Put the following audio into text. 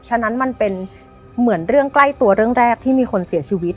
ฉะนั้นมันเป็นเหมือนเรื่องใกล้ตัวเรื่องแรกที่มีคนเสียชีวิต